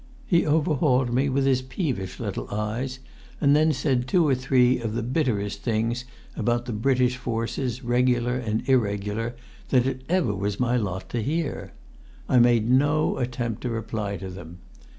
He overhauled me with his peevish little eyes, and then said two or three of the bitterest things about the British forces, regular and irregular, that it ever was my lot to hear. I made no attempt to reply to them.